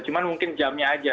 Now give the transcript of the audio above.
cuma mungkin jamnya aja